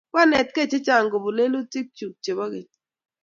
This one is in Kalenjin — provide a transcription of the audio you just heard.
Kwanetkey chechang' kopun lelutik chuk chepo keny